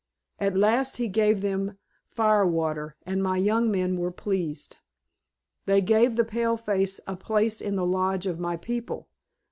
At last he gave them firewater, and my young men were pleased. They gave the paleface a place in the lodge of my people.